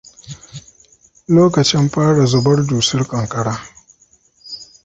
Lokacin fara zubar dusar ƙanƙara.